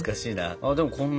あでもこんな？